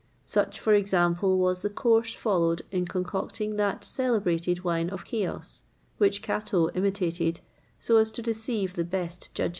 Such, for example, was the course followed in concocting that celebrated wine of Chios, which Cato imitated so as to deceive the best judges.